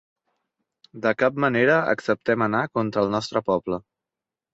De cap manera acceptem anar contra el nostre poble.